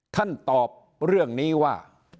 ท่านตอบเรื่องนี้ว่า